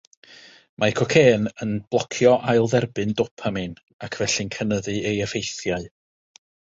Mae cocên yn blocio ail-dderbyn dopamin ac felly'n cynyddu ei effeithiau.